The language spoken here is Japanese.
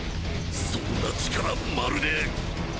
そんな力まるで